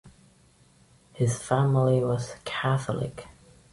His family was Catholic.